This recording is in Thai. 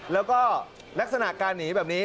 แล้วก็ลักษณะการหนีแบบนี้